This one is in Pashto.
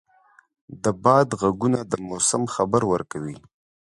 د باد ږغونه د موسم خبر ورکوي.